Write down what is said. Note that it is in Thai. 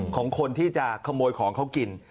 ของคนที่จะขโมยของเขากิน